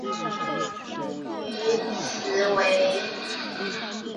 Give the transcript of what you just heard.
于兹为下邳相笮融部下。